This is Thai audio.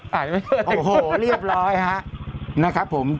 โอ้โหเรียบร้อยฮะนะครับผม